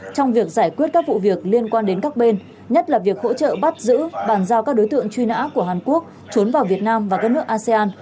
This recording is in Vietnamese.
trong việc giải quyết các vụ việc liên quan đến các bên nhất là việc hỗ trợ bắt giữ bàn giao các đối tượng truy nã của hàn quốc trốn vào việt nam và các nước asean